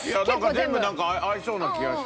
全部なんか合いそうな気がして。